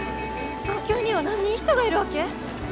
東京には何人人がいるわけ？